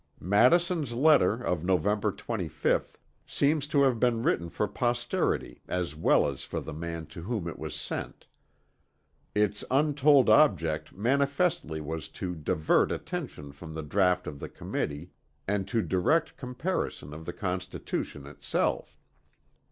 Madison's letter of November 25th seems to have been written for posterity as well as for the man to whom it was sent. Its untold object manifestly was to divert attention from the draught of the Committee and to direct comparison to the Constitution itself.